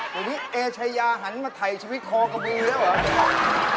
วันนี้เอชายาหันมาไทยชีวิตทองกระบูเนี่ยเหรอ